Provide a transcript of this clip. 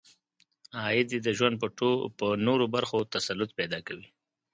عاید یې د ژوند په نورو برخو تسلط پیدا کوي.